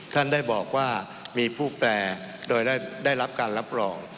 ท่านได้บอกว่ามีผู้แปลโดยได้รับการรับรอง